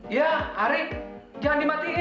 ya ari jangan dimatikan dong